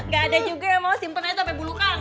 gak ada juga yang mau simpen aja sampai bulu kang